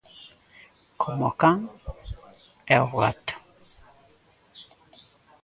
Coma o can e o gato!